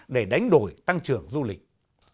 để đánh đổi tăng trưởng du lịch